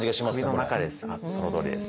そのとおりです。